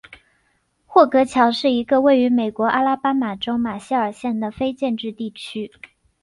霍格乔是一个位于美国阿拉巴马州马歇尔县的非建制地区。